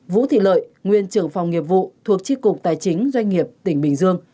vũ thị lợi nguyên trưởng phòng nghiệp vụ thuộc tri cục tài chính doanh nghiệp tỉnh bình dương